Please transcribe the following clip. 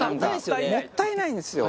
もったいないんですよ。